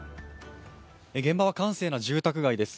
現場は閑静な住宅街です。